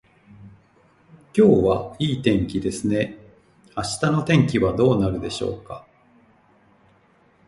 今日はいい天気ですね。明日の天気はどうなるでしょうか。